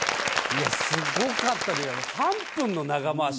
いやすごかった。